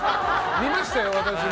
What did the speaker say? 見ましたよ、私も。